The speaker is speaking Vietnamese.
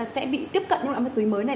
sẽ bị tiếp cận những loại ma túy mới này